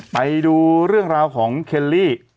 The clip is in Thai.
ไปดูเรื่องราวของเคลลี่